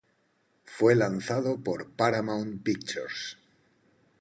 Fue lanzado por Paramount Pictures.